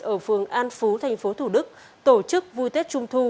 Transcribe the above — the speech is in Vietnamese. ở phường an phú thành phố thủ đức tổ chức vui tết trung thu